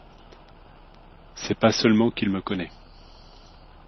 C'est pas seulement qu'il me connaît.